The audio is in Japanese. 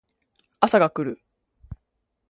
朝が来る